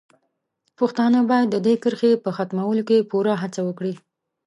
پښتانه باید د دې کرښې په ختمولو کې پوره هڅه وکړي.